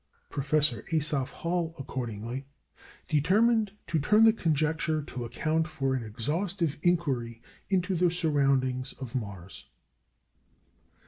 Professor Asaph Hall, accordingly, determined to turn the conjecture to account for an exhaustive inquiry into the surroundings of Mars.